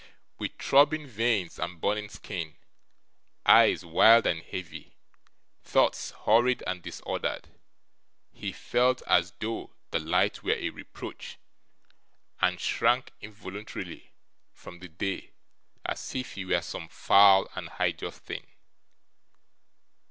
With throbbing veins and burning skin, eyes wild and heavy, thoughts hurried and disordered, he felt as though the light were a reproach, and shrunk involuntarily from the day as if he were some foul and hideous thing.